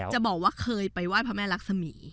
จะบอกว่าเคยไปไหว้พระแม่รักษมี